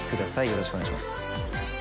よろしくお願いします。